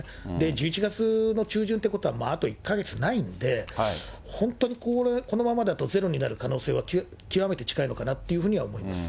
１１月の中旬ってことは、あと１か月ないんで、本当にこのままだとゼロになる可能性は、きわめて近いのかなっていうふうには思います。